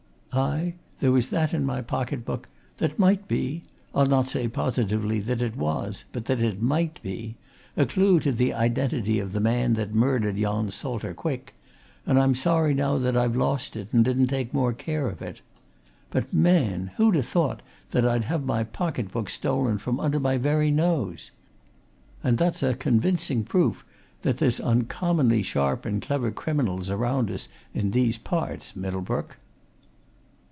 Aye there was that in my pocket book that might be I'll not say positively that it was, but that it might be a clue to the identity of the man that murdered yon Salter Quick, and I'm sorry now that I've lost it and didn't take more care of it. But man! who'd ha' thought that I'd have my pocket book stolen from under my very nose! And that's a convincing proof that there's uncommonly sharp and clever criminals around us in these parts, Middlebrook."